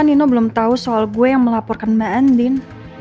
nino belum tahu soal gue yang melaporkan mbak andin